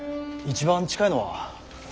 一番近いのは。